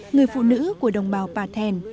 người phụ nữ của đồng bào bà thèn